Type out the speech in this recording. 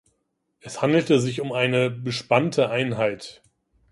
Es handelte sich um eine „bespannte Einheit“.